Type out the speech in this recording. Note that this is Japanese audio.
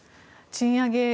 賃上げ